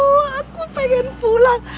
wow aku pengen pulang